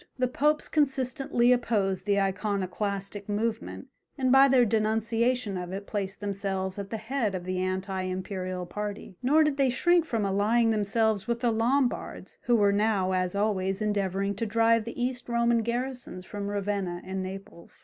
The Popes consistently opposed the Iconoclastic movement, and by their denunciation of it placed themselves at the head of the anti imperial party, nor did they shrink from allying themselves with the Lombards, who were now, as always, endeavouring to drive the East Roman garrisons from Ravenna and Naples.